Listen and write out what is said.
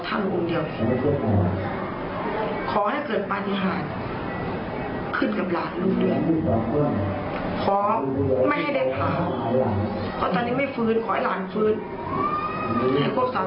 เพราะตอนนี้ไม่ฟื้นขอย่าหลานฟื้น